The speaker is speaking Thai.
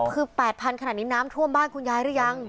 คือ๘๐๐ขนาดนี้น้ำท่วมบ้านคุณยายหรือยัง